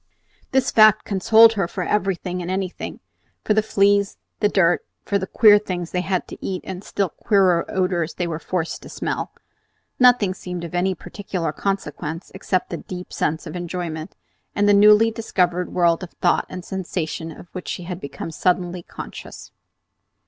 This fact consoled her for everything and anything, for the fleas, the dirt, for the queer things they had to eat and the still queerer odors they were forced to smell! Nothing seemed of any particular consequence except the deep sense of enjoyment, and the newly discovered world of thought and sensation of which she had become suddenly conscious.